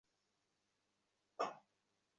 মা, তুমি ভিতরে আসো।